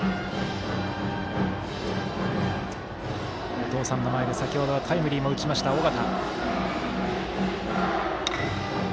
お父さんの前で先ほどはタイムリーも打った尾形。